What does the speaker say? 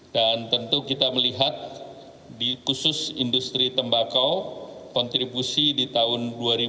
dan tentu kita melihat di khusus industri tembakau kontribusi di tahun dua ribu dua puluh